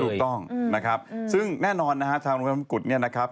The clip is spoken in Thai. ถูกต้องนะครับซึ่งแน่นอนนะฮะทางโรงพยาบาลมงกุฎเนี่ยนะครับ